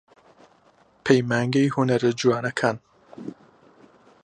پەیمانگەی هونەرە جوانەکان